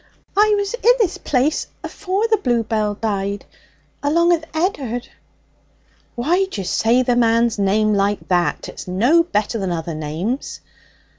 'I was i' this place afore the bluebells died, along with Ed'ard.' 'Why d'you say the man's name like that? It's no better than other names.'